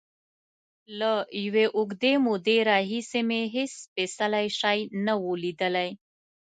له یوې اوږدې مودې راهیسې مې هېڅ سپېڅلی شی نه و لیدلی.